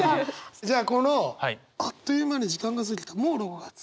じゃあこのあっという間に時間が過ぎたもう６月。